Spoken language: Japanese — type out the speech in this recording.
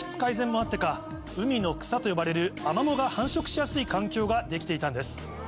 もあってか海の草と呼ばれるアマモが繁殖しやすい環境ができていたんです。